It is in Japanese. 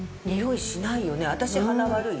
私鼻悪い？